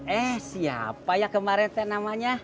eh siapa ya kemarin teh namanya